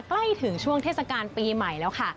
ใกล้ถึงช่วงเทศกาลปีใหม่แล้วค่ะ